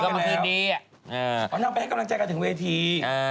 เพราะน้องแป๊บให้กำลังใจกันถึงเวที